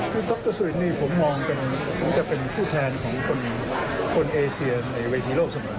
คือดรสุรินนี่ผมมองผมจะเป็นผู้แทนของคนเอเซียในเวทีโลกเสมอ